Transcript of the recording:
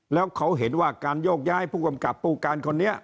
แล้วเขาเห็นว่าการโยกย้ายผู้กำกับผู้การคนนี้